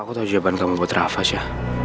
aku tau jawaban kamu buat raffas ya